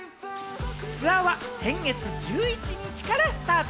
ツアーは先月１１日からスタート。